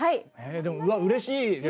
でもうわうれしい！